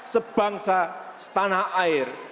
sebangsa setanah air